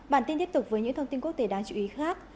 bản tin tiếp tục với những thông tin quốc tế đáng chú ý khác